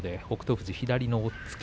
富士は左の押っつけ